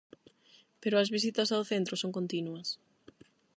Pero as visitas ao centro son continuas.